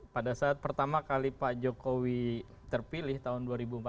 pada saat pertama kali pak jokowi terpilih tahun dua ribu empat belas